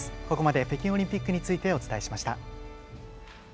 ここまで北京オリンピックについてお伝えしました。